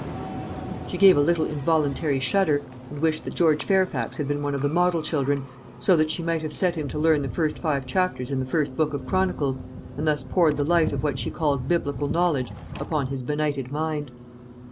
She gave a little involuntary shudder, and wished that George Fairfax had been one of the model children, so that she might have set him to learn the first five chapters in the first book of Chronicles, and thus poured the light of what she called Biblical knowledge upon his benighted mind.